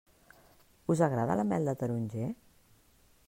Us agrada la mel de taronger?